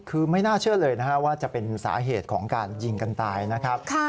คือไม่น่าเชื่อเลยนะฮะว่าจะเป็นสาเหตุของการยิงกันตายนะครับ